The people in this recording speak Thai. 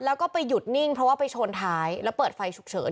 แล้วก็ไปหยุดนิ่งเพราะว่าไปชนท้ายแล้วเปิดไฟฉุกเฉิน